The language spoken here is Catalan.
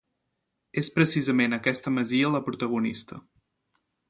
És precisament aquesta masia la protagonista